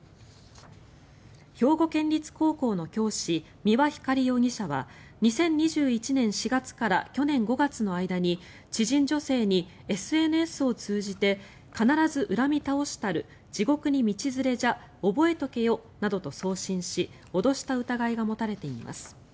兵庫県立高校の教師三輪光容疑者は２０２１年４月から去年５月の間に知人女性にＳＮＳを通じて必ず恨み倒したる地獄に道連れじゃ覚えとけよなどと送信し脅した疑いが持たれています。